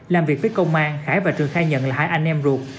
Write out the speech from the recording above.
làm việc với công an khải và trường khai nhận là hai anh em ruột